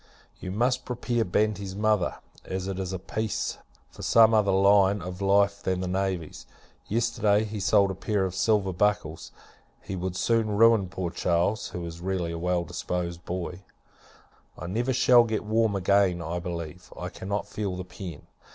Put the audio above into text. You must prepare Banti's mother, as it is a peace, for some other line of life than the navy. Yesterday, he sold a pair of silver buckles; he would soon ruin poor Charles, who is really a well disposed boy. I never shall get warm again, I believe. I cannot feel the pen.